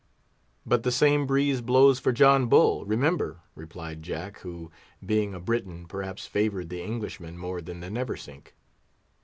"But the same breeze blows for John Bull, remember," replied Jack, who, being a Briton, perhaps favoured the Englishman more than the Neversink.